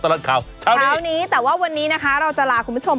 ตลอดข่าวเช้านี้แต่ว่าวันนี้นะคะเราจะลาคุณผู้ชม